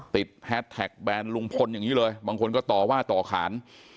แฮสแท็กแบนลุงพลอย่างนี้เลยบางคนก็ต่อว่าต่อขาน